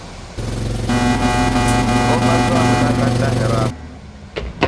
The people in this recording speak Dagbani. O ba zɔrina ka tahira.